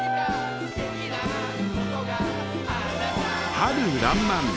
春らんまん！